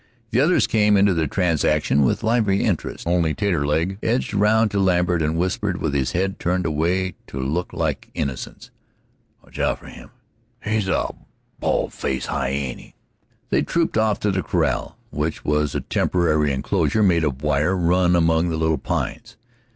The others came into the transaction with lively interest. Only Taterleg edged round to Lambert, and whispered with his head turned away to look like innocence: "Watch out for him he's a bal' faced hyeeny!" They trooped off to the corral, which was a temporary enclosure made of wire run among the little pines.